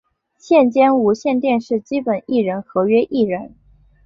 现兼无线电视基本艺人合约艺人。